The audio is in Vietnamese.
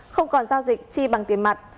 không còn giao dịch chi bằng tiền mặt